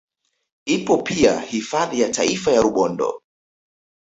Ipo pia hifadhi ya taifa ya Rubondo